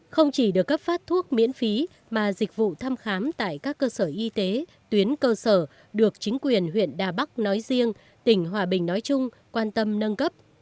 không chỉ được cấp phát thuốc miễn phí mà dịch vụ thăm khám tại các cơ sở y tế tuyến cơ sở được chính quyền huyện đà bắc nói riêng tỉnh hòa bình nói chung quan tâm nâng cấp